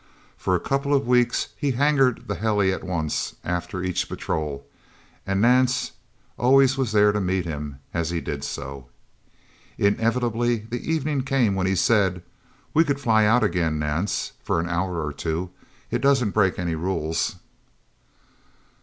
For a couple of weeks he hangared the heli at once, after each patrol, and Nance always was there to meet him as he did so. Inevitably the evening came when he said, "We could fly out again, Nance. For an hour or two. It doesn't break any rules."